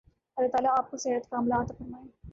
اللہ تعالی آپ کو صحت ِکاملہ عطا فرمائے